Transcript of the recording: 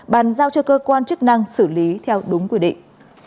bàn giao cho cơ quan chức năng xử lý theo đúng quy định